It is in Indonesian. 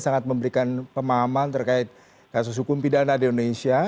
sangat memberikan pemahaman terkait kasus hukum pidana di indonesia